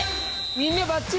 みんなばっちり？